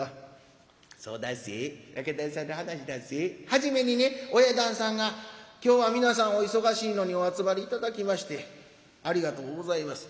はじめにね親旦さんが『今日は皆さんお忙しいのにお集まり頂きましてありがとうございます。